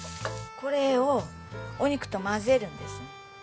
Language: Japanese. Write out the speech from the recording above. これをお肉と混ぜるんです。